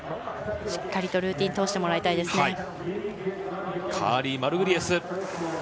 しっかりとルーティン通してもらいたいですね。